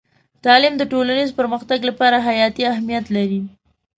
تعلیم د ټولنیز پرمختګ لپاره حیاتي اهمیت لري.